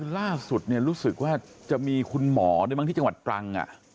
ล่าสุดรู้สึกว่าจะมีคุณหมอด้วยมั้งที่จังหวัดตรัง